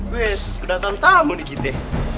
wes udah tantamu nih kita